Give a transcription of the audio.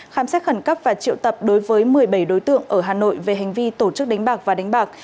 khám xét khẩn cấp và triệu tập đối với một mươi bảy đối tượng ở hà nội về hành vi tổ chức đánh bạc và đánh bạc